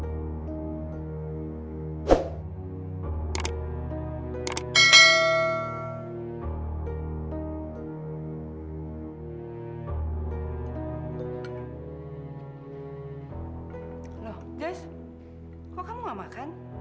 terima kasih mas